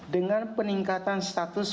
dengan peningkatan status